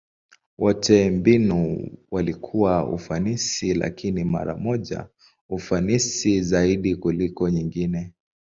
Wote mbinu walikuwa ufanisi, lakini mara moja ufanisi zaidi kuliko nyingine.